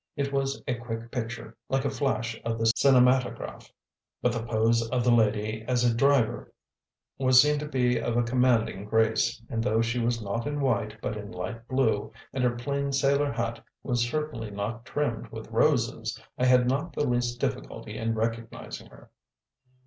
It was a quick picture, like a flash of the cinematograph, but the pose of the lady as a driver was seen to be of a commanding grace, and though she was not in white but in light blue, and her plain sailor hat was certainly not trimmed with roses, I had not the least difficulty in recognising her.